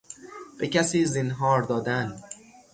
به کسی زینهار دادن